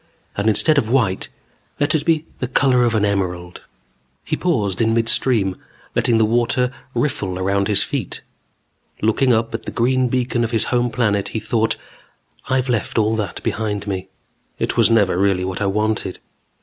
And instead of white, let it be the color of an emerald. He paused in midstream, letting the warm water riffle around his feet. Looking up at the green beacon of his home planet, he thought: I've left all that behind me. It was never really what I wanted.